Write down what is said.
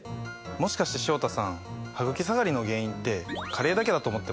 もしかして潮田さんハグキ下がりの原因って加齢だけだと思ってます？